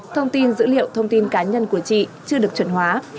thông tin dữ liệu thông tin cá nhân của chị chưa được chuẩn hóa